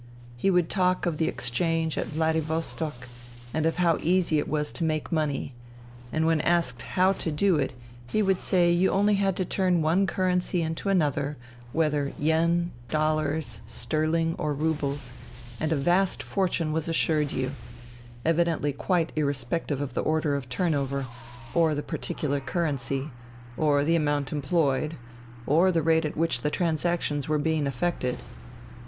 He would talk of the exchange at Vladivostok and of how easy it was to make money, and when asked how to do it he would say you had only to turn one currency into another, whether yen, dollars, sterling or roubles, and a vast fortune was assured you, evidently quite irrespective of the order of turnover, or the particular currency, or the amount employed, or the rate at which the transactions were being effected.